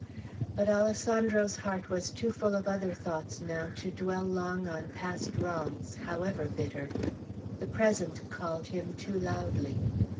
But Alessandro's heart was too full of other thoughts, now, to dwell long on past wrongs, however bitter. The present called him too loudly.